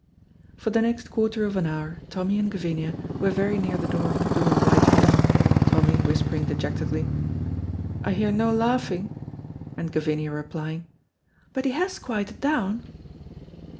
For the next quarter of an hour Tommy and Gavinia were very near the door of the blue and white room, Tommy whispering dejectedly, "I hear no laughing," and Gavinia replying, "But he has quieted down."